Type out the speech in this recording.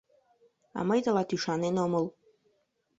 А мый тылат ӱшанен омыл».